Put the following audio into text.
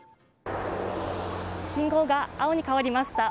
信号が青に変わりました。